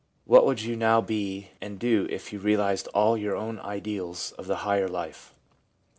What would you now be and do if you realised all your own ideals of the higher life?